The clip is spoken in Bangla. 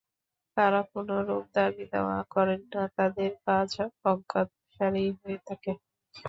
তাঁরা কোনরূপ দাবীদাওয়া করেন না, তাঁদের কাজ অজ্ঞাতসারেই হয়ে থাকে।